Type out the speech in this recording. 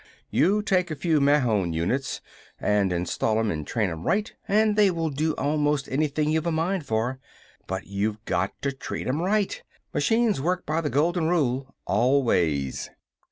You take a few Mahon units, and install 'em and train 'em right, and they will do almost anything you've a mind for. But you got to treat 'em right. Machines work by the golden rule. Always!